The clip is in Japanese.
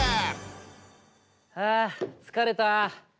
あ疲れた。